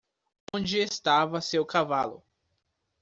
Onde estava seu cavalo?